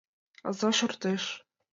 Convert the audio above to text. Аза шортеш.